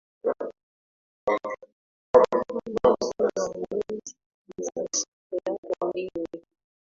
na pwani Ikiwa huwezi kuanza siku yako bila